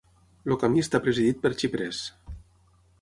El camí està presidit per xiprers.